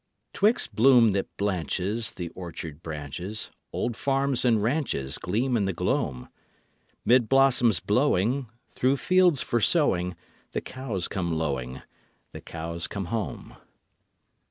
'Twixt bloom that blanches The orchard branches Old farms and ranches Gleam in the gloam; 'Mid blossoms blowing, Through fields for sowing, The cows come lowing, The cows come home.